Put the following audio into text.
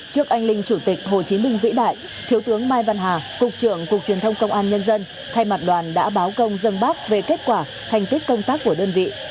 trước anh linh chủ tịch hồ chí minh vĩ đại thiếu tướng mai văn hà cục trưởng cục truyền thông công an nhân dân thay mặt đoàn đã báo công dân bác về kết quả thành tích công tác của đơn vị